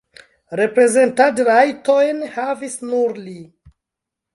Reprezentadrajtojn havis nur li.